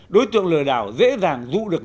đối tượng lừa đảo dễ dàng rũ được